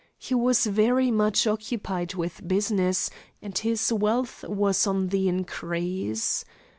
He was very much occupied with business, and his wealth was on the increase.